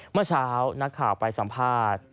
เมื่อเช้านักข่าวไปสัมภาษณ์